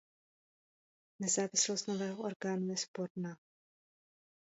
Nezávislost nového orgánu je sporná.